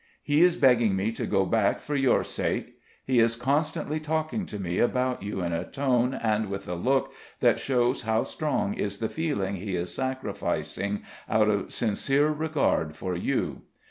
He is begging me to go back for your sake; he is constantly talking to me about you in a tone and with a look that shows how strong is the feeling he is sacrificing, out of sincere regard for you.